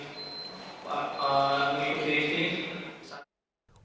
dan diperadaan berusaha yang terangkan berat dan jadinya kita pasti sudah tahu istri juga di sini